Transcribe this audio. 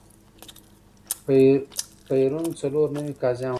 پېرون څلور نوي قاضیان وټاکل.